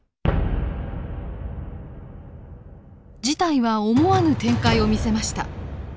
事態は思わぬ展開を見せました。